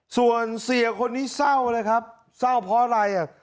ส่วนเสียคนนี้เศร้าเลยครับเศร้าเพราะอะไรอ่ะ